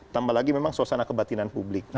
tambah lagi memang suasana kebatinan publik